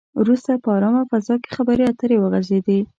وروسته په ارامه فضا کې خبرې اترې وغځېدې.